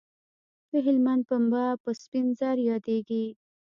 د هلمند پنبه په سپین زر یادیږي